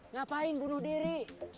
ngapain bunuh diri